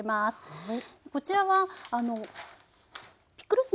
はい。